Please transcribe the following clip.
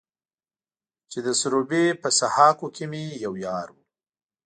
چې د سروبي په سهاکو کې مې يو يار و.